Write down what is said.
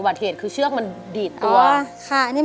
อุบัติเหตุคือชื่อกมันดีดตัว